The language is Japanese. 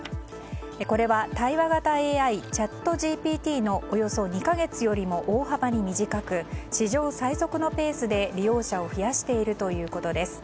これは対話型ＡＩＣｈａｔＧＰＴのおよそ２か月よりも大幅に短く史上最速のペースで利用者を増やしているということです。